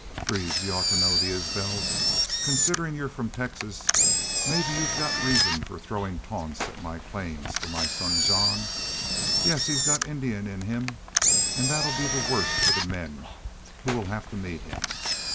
'Greaves, you ought to know the Isbels, considerin' you're from Texas. Maybe you've got reasons for throwin' taunts at my claims for my son Jean. Yes, he's got Indian in him an' that 'll be the worse for the men who will have to meet him.